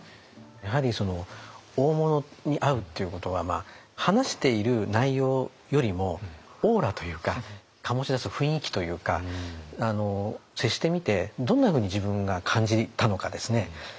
やはり大物に会うっていうことは話している内容よりもオーラというか醸し出す雰囲気というか接してみてどんなふうに自分が感じたのかですね